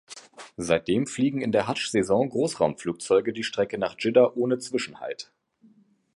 Seitdem fliegen in der Haddsch-Saison Großraumflugzeuge die Strecke nach Dschidda ohne Zwischenhalt.